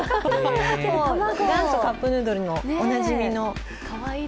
元祖カップヌードルのおなじみの。